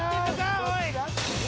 おい！